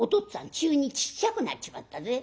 急にちっちゃくなっちまったぜ。